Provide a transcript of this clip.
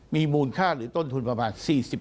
มีมูลค่าหรือต้นทุนประมาณ๔๐